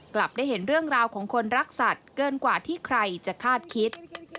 กลับได้เห็นเรื่องราวของคนรักสัตว์เกินกว่าที่ใครจะคาดคิด